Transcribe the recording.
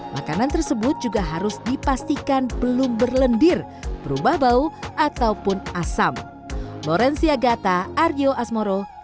makanan tersebut juga harus dipastikan belum berlendir berubah bau ataupun asam